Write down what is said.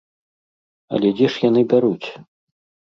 Але дзе ж яны бяруць?